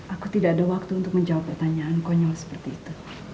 aku tidak ada waktu untuk menjawab pertanyaan konyol seperti itu